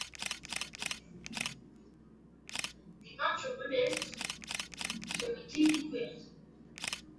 Des peintures rupestres y ont été découvertes.